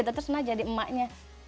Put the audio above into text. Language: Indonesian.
terus nah jadi emaknya